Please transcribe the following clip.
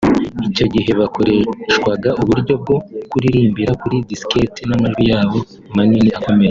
icyo gihe bakoreshwaga uburyo bwo kuririmbira kuri diskette n’amajwi yabo manini akomeye